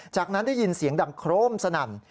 จากนั้นได้ยินเสียงดังโครมสนั่น